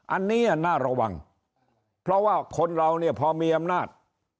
อันนี้น่าระวังเพราะว่าคนเราเนี่ยพอมีอำนาจ